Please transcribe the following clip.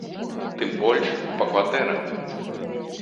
Тым больш, па кватэрах.